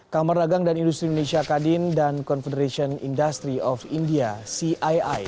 kamar dagang dan industri indonesia kadin dan confederation industry of india cii